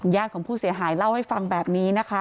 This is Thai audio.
ของผู้เสียหายเล่าให้ฟังแบบนี้นะคะ